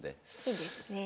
いいですね。